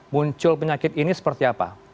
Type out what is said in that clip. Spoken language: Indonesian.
muncul penyakit ini seperti apa